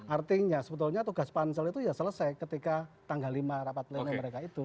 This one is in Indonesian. artinya sebetulnya tugas pansel itu ya selesai ketika tanggal lima rapat pleno mereka itu